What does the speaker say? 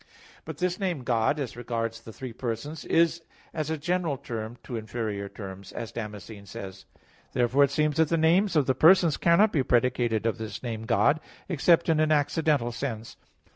But this name "God" as regards the three persons is as a general term to inferior terms, as Damascene says (De Fide Orth. iii, 4). Therefore it seems that the names of the persons cannot be predicated of this name "God," except in an accidental sense.